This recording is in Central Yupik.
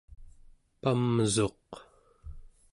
pamsuq